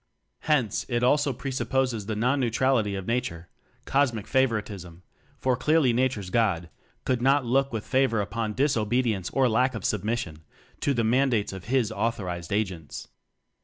Hence, it also pre supposes the non neutrality of Nature cosmic favoritism; for clearly nature's "God" could not look with favor upon dis obedience or lack of submission to the mandates of His authorized agents.